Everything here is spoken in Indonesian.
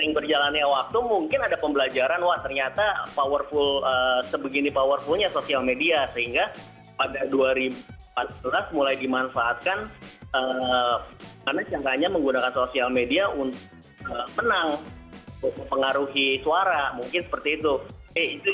waktu mungkin ada pembelajaran wah ternyata powerful sebegini powerfulnya sosial media sehingga pada dua ribu empat belas mulai dimanfaatkan karena jangkanya menggunakan sosial media untuk menang pengaruhi suara mungkin seperti itu